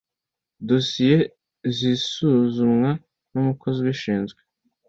Dosiye zisuzumwa n umukozi ubishinzwe